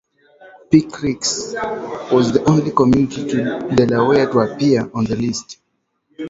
Pike Creek was the only community in Delaware to appear on the list.